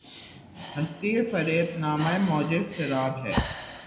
ہستی‘ فریب نامۂ موجِ سراب ہے